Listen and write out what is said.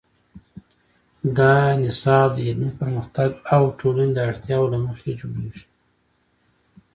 دا نصاب د علمي پرمختګ او ټولنې د اړتیاوو له مخې جوړیږي.